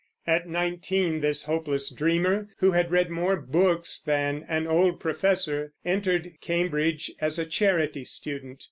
At nineteen this hopeless dreamer, who had read more books than an old professor, entered Cambridge as a charity student.